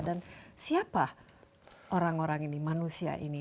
dan siapa orang orang ini manusia ini